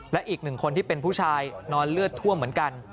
และอีกหนึ่งคนที่เป็นผู้ชายนอนเลือดท่วมเหมือนกัน